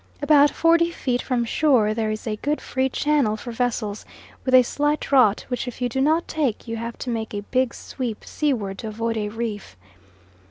About forty feet from shore there is a good free channel for vessels with a light draught which if you do not take, you have to make a big sweep seaward to avoid a reef.